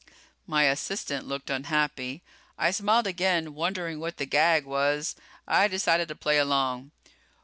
My assistant looked unhappy. I smiled again, wondering what the gag was. I decided to play along.